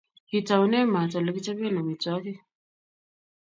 kiitoune maat ole kichoben amitwogik